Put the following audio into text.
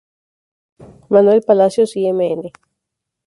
Manuel Palacios y Mn.